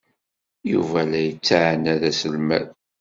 Yuba la yettɛanad aselmad.